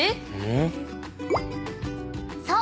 ［そう。